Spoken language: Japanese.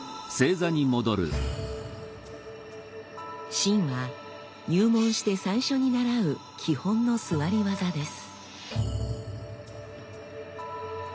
「真」は入門して最初に習う基本の座り技です。